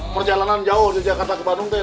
perjalanan jauh dari jakarta ke bandung